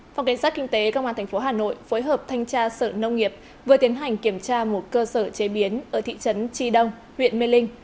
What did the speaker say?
phòng cảnh sát kinh tế công an tp hà nội phối hợp thanh tra sở nông nghiệp vừa tiến hành kiểm tra một cơ sở chế biến ở thị trấn tri đông huyện mê linh